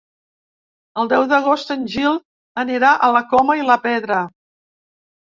El deu d'agost en Gil anirà a la Coma i la Pedra.